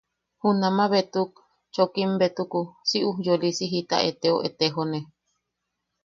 Junama betuk, chokim betuku si ujyolisi jita eteu etejone.